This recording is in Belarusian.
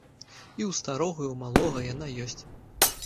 І ў старога і ў малога яна ёсць.